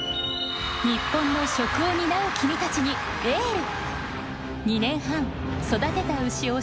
日本の食を担う君たちにエール。